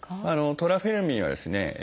トラフェルミンはですね